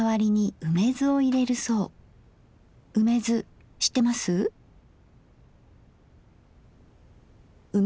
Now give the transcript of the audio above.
梅酢知ってます？